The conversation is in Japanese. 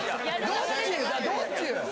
どっちよ？